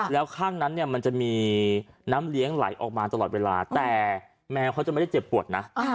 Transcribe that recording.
แล้วข้างนั้นเนี่ยมันจะมีน้ำเลี้ยงไหลออกมาตลอดเวลาแต่แมวเขาจะไม่ได้เจ็บปวดนะ